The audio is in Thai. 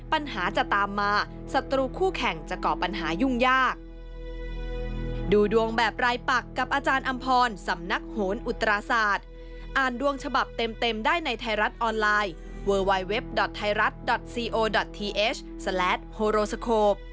ปัญหาจะตามมาศัตรูคู่แข่งจะก่อปัญหายุ่งยาก